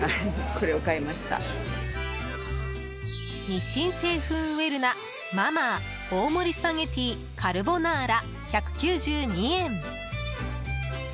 日清製粉ウェルナマ・マー大盛りスパゲティカルボナーラ、１９２円。